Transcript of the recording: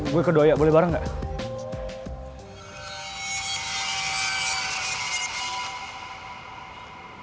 gue ke doya boleh bareng nggak